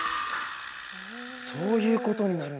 そういうことになるんだ。